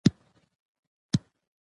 کندهار ښاروالي ژمنه کوي چي له وړ